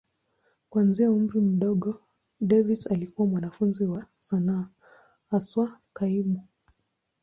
Kuanzia umri mdogo, Davis alikuwa mwanafunzi wa sanaa, haswa kaimu.